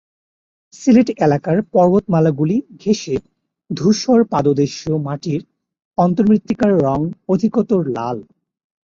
সিলেট এলাকার পর্বতমালাগুলি ঘেঁষে ধূসর পাদদেশীয় মাটির অন্তর্মৃত্তিকার রং অধিকতর লাল।